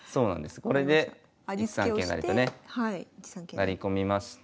成り込みまして。